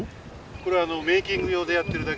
これはメーキング用でやってるだけでですね